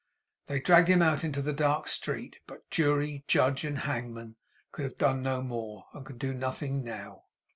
They dragged him out into the dark street; but jury, judge, and hangman, could have done no more, and could do nothing now.